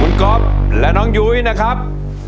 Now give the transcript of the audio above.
คุณก๊อฟและน้องยุ้ยนะครับ